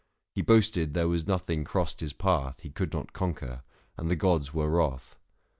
He boasted there was nothing crossed his path He could not conquer, and the gods were wrath.